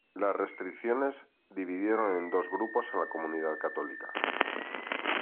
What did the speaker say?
La restricciones dividieron en dos grupos a la comunidad católica.